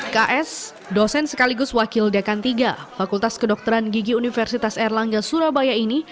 ks dosen sekaligus wakil dekan tiga fakultas kedokteran gigi universitas erlangga surabaya ini